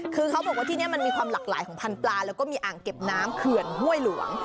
คือเขาบอกว่าที่นี่มันมีความหลากหลายของพันธุ์ปลาแล้วก็มีอ่างเก็บน้ำเขื่อนห้วยหลวง